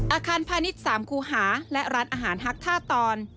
อาคารพาณิชย์๓คูหาและร้านอาหารฮักท่าตอน